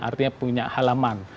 artinya punya halaman